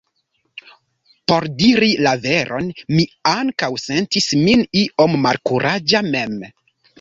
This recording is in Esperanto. Por diri la veron, mi ankaŭ sentis min iom malkuraĝa mem.